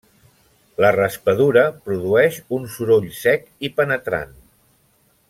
La raspadura produeix un soroll sec i penetrant.